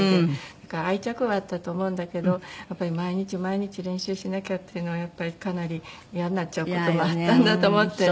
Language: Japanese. だから愛着はあったと思うんだけどやっぱり毎日毎日練習しなきゃっていうのはかなり嫌になっちゃう事もあったんだと思ってね。